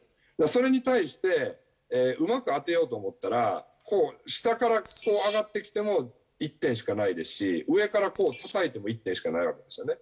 それに対して、うまく当てようと思ったら、こう、下からこう上がってきても一点しかないですし、上からこうたたいても一点しかないわけですよね。